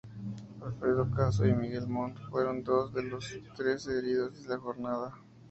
Alfredo Caso y Miguel Mont fueron dos de los trece heridos de la jornada.